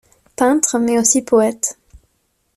Peintre mais aussi poète.